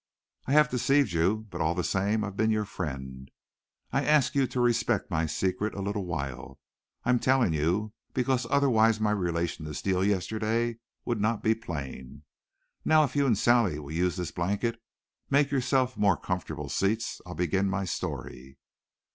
"I have deceived you. But, all the same, I've been your friend. I ask you to respect my secret a little while. I'm telling you because otherwise my relation to Steele yesterday would not be plain. Now, if you and Sally will use this blanket, make yourselves more comfortable seats, I'll begin my story."